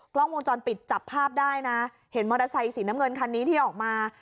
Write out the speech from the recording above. กล้องวงจรปิดจับภาพได้นะเห็นมอเตอร์ไซสีน้ำเงินคันนี้ที่ออกมา